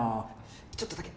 ちょっとだけ。